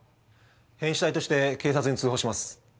変死体として警察に通報します。